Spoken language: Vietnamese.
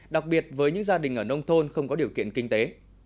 đặc biệt với những gia đình ở nông thôn không có điều kiện kinh tế